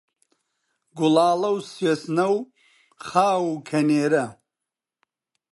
گوڵاڵە و سوێسنە و خاو و کەنێرە